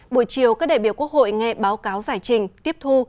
buổi chiều các đại biểu quốc hội nghe báo cáo giải trình tiếp thu